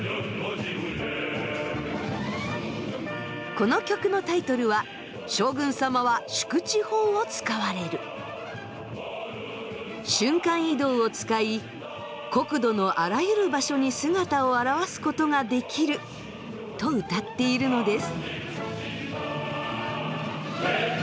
この曲のタイトルは瞬間移動を使い国土のあらゆる場所に姿を現すことができると歌っているのです。